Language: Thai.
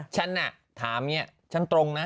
ฉันน่ะถามเนี่ยฉันตรงนะ